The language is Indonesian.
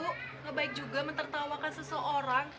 nggak baik juga mentertawakan seseorang